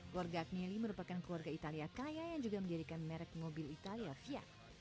keluarga agnely merupakan keluarga italia kaya yang juga menjadikan merek mobil italia fia